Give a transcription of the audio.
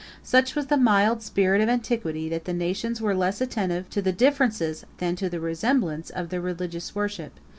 4 Such was the mild spirit of antiquity, that the nations were less attentive to the difference, than to the resemblance, of their religious worship.